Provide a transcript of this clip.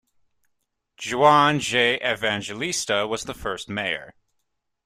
Juan J. Evangelista was the first mayor.